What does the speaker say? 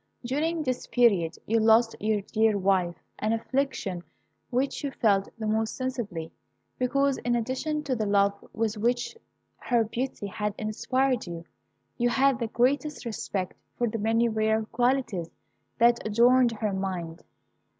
During this period you lost your dear wife, an affliction which you felt the more sensibly because, in addition to the love with which her beauty had inspired you, you had the greatest respect for the many rare qualities that adorned her mind.